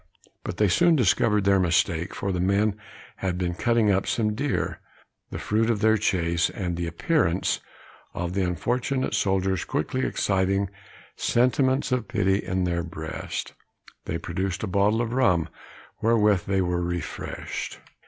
But they soon discovered their mistake, for the men had been cutting up some deer, the fruit of their chase; and the appearance of the unfortunate soldiers quickly exciting sentiments of pity in their breast, they produced a bottle of rum, wherewith they were refreshed.